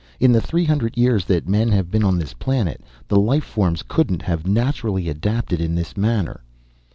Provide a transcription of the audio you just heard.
In the three hundred years that men have been on this planet, the life forms couldn't have naturally adapted in this manner."